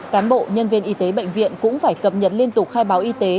cán bộ nhân viên y tế bệnh viện cũng phải cập nhật liên tục khai báo y tế